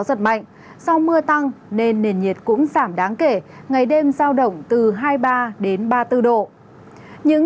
gió giật mạnh do mưa tăng nên nền nhiệt cũng giảm đáng kể ngày đêm giao động từ hai mươi ba đến ba mươi bốn độ những